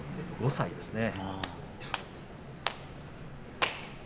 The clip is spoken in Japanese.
３５歳ですね。